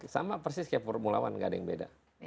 sama persis kayak formula one gak ada yang beda